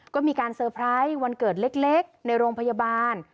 ก็มีการเซอร์ไพรส์วันเกิดเล็กในโรงพยาบาล